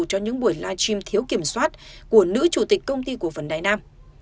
cho những buổi live stream thiếu kiểm soát của nữ chủ tịch công ty của vân đài nam